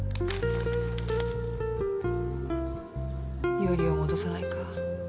「よりを戻さないか？